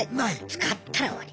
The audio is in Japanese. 使ったら終わり。